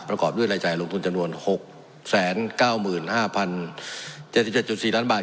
ประกอบด้วยรายจ่ายลงทุนจำนวน๖๙๕๐๗๗๔ล้านบาท